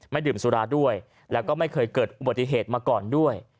ดื่มสุราด้วยแล้วก็ไม่เคยเกิดอุบัติเหตุมาก่อนด้วย